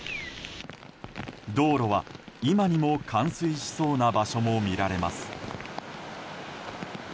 道路は今にも冠水しそうな場所も見られます。